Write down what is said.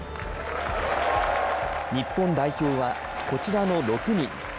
日本代表はこちらの６人。